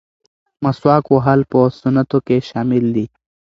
مسواک وهل په سنتو کې شامل دي.